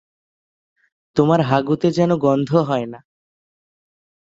তোমার হাগুতে যেন গন্ধ হয় না।